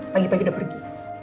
pagi pagi udah pergi